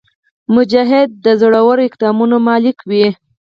مجاهد د زړور اقدامونو مالک وي.